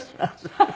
ハハハハ。